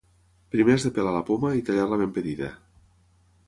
Primer has de pelar la poma i tallar-la ben petita.